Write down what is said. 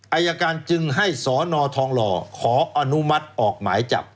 อายการจึงให้สนทองหล่อขออนุมัติออกหมายจับ